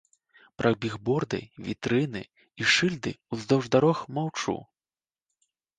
Пра бігборды, вітрыны і шыльды ўздоўж дарог маўчу.